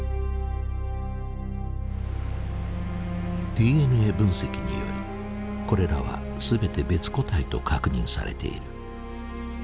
ＤＮＡ分析によりこれらは全て別個体と確認されている。